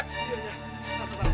tidak tidak tidak